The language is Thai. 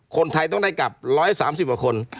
คนไทยต้องได้กลับ๑๓๐กว่าคน